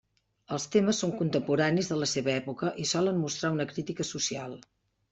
Els temes són contemporanis de la seva època i solen mostrar una crítica social.